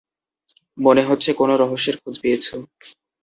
মনে হচ্ছে কোন রহস্যের খোঁজ পেয়েছো।